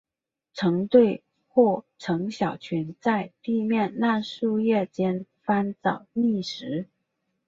成对或成小群在地面烂树叶间翻找觅食。